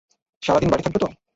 সারাদিন বাড়ি থাকবে তো?